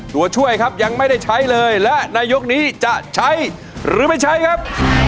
ตัวช่วยครับยังไม่ได้ใช้เลยและในยกนี้จะใช้หรือไม่ใช้ครับ